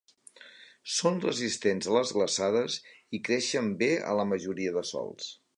Són resistents a les glaçades i creixen bé a la majoria de sòls.